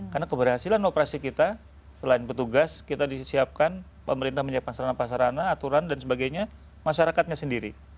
karena keberhasilan operasi kita selain petugas kita disiapkan pemerintah menyiapkan sarana sarana aturan dan sebagainya masyarakatnya sendiri